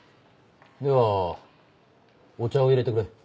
ではお茶を入れてくれ。